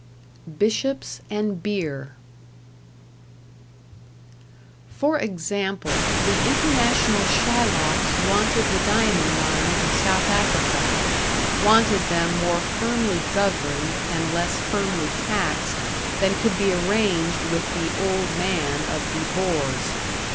#Bishops and Beer# For example, the International Shylocks wanted the diamond mines of South Africa wanted them more firmly governed and less firmly taxed than could be arranged with the Old Man of the Boers.